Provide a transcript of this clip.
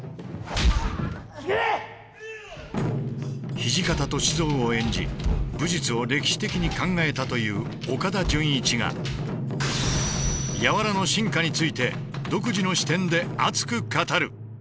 土方歳三を演じ武術を歴史的に考えたという岡田准一が「柔」の進化について独自の視点で熱く語る。